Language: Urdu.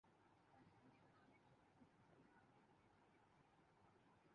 آگے دیکھئے ہوتا ہے۔